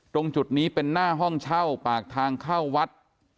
ตรงจุดนี้เป็นหน้าห้องเช่าปากทางเข้าวัด